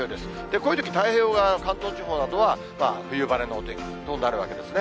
こういうとき太平洋側、関東地方などは、冬晴れのお天気となるわけですね。